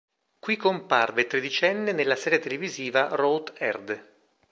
Qui comparve tredicenne nella serie televisiva "Rote Erde".